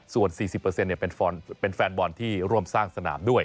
ส่วน๔๐เป็นแฟนบอลที่ร่วมสร้างสนามด้วย